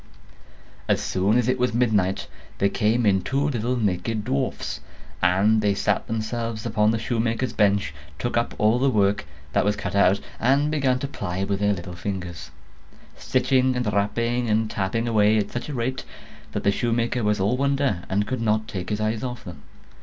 As soon as it was midnight, there came in two little naked dwarfs; and they sat themselves upon the shoemaker's bench, took up all the work that was cut out, and began to ply with their little fingers, stitching and rapping and tapping away at such a rate, that the shoemaker was all wonder, and could not take his eyes off them.